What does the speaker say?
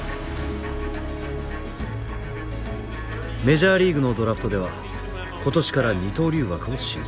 メジャーリーグのドラフトでは今年から二刀流枠を新設。